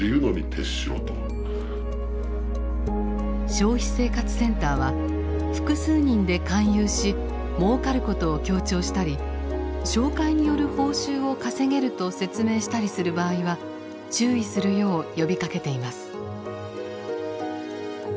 消費生活センターは複数人で勧誘しもうかることを強調したり紹介による報酬を稼げると説明したりする場合は注意するよう呼びかけています。